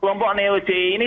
seberapa tanda lagi disini